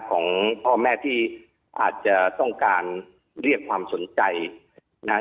ของพ่อแม่ที่อาจจะต้องการเรียกความสนใจนะฮะ